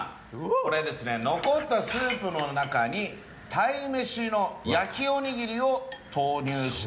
これ残ったスープの中に鯛めしの焼きおにぎりを投入して。